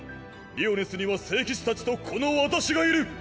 リオネスには聖騎士たちとこの私がいる。